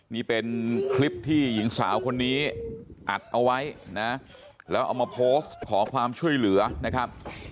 นี่เป็นคลิปที่หญิงสาวคนนี้อัดเอาไว้นะแล้วเอามาโพสต์ขอความช่วยเหลือนะครับ